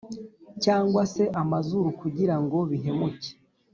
cyangwa se amazuru kugira ngo bihumeke.